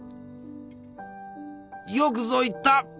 よくぞ言った！